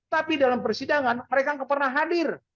tapi dalam persidangan mereka nggak pernah hadir